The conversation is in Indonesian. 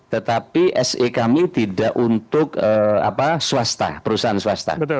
tetapi se kami tidak untuk swasta perusahaan swasta